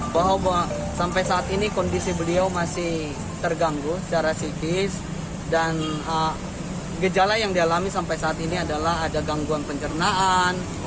bahwa sampai saat ini kondisi beliau masih terganggu secara sikis dan gejala yang dialami sampai saat ini adalah ada gangguan pencernaan